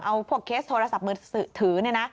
เอาพวกเคสโทรศัพท์มือถือเนี่ยนะ